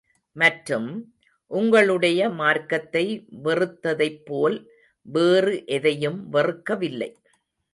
மற்றும், உங்களுடைய மார்க்கத்தை வெறுத்ததைப் போல் வேறு எதையும் வெறுக்கவில்லை.